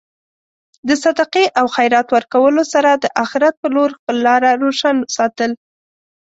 د صدقې او خیرات ورکولو سره د اخرت په لور خپل لاره روشن ساتل.